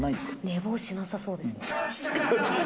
寝坊しなさそうです。